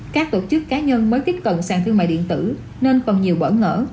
các tổ chức cá nhân mới tiếp cận sàn thương mại điện tử nên còn nhiều bỡ ngỡ